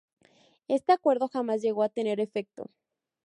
Éste acuerdo jamás llegó a tener efecto.